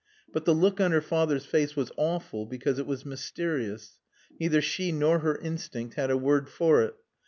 But the look on her father's face was awful because it was mysterious. Neither she nor her instinct had a word for it.